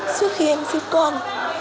suốt khi em sinh con